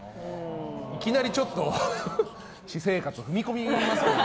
いきなりちょっと私生活踏み込みますね。